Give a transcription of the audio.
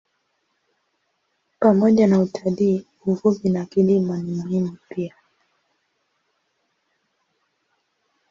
Pamoja na utalii, uvuvi na kilimo ni muhimu pia.